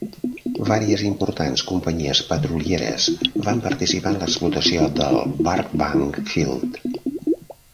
Varies importants companyies petrolieres van participar en la explotació del "Burbank Field".